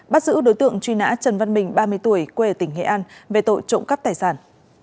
bắt giữ đối tượng truy nã trần văn bình ba mươi tuổi quê ở tỉnh nghệ an về tội trộm cắp tài sản